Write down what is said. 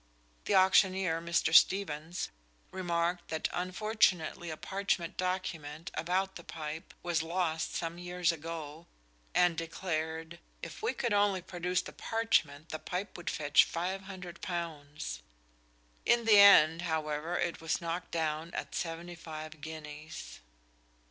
The auctioneer, Mr. Stevens, remarked that unfortunately a parchment document about the pipe was lost some years ago, and declared, "If we could only produce the parchment the pipe would fetch £500." In the end, however, it was knocked down at seventy five guineas.